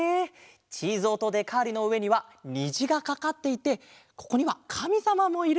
チーゾウとデカーリのうえにはにじがかかっていてここにはかみさまもいる。